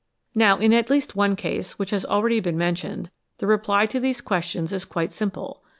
Now in at least one case which has already been men tioned, the reply to these questions is quite simple.